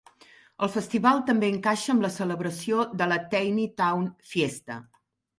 El festival també encaixa amb la celebració de la Tanay Town Fiesta.